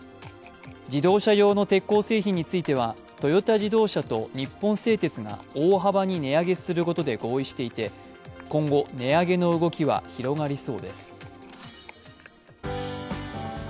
自動車用の鉄鋼製品についてはトヨタ自動車と日本製鉄が大幅に値上げすることで合意していて今後、値上げの動きは広がりそうです。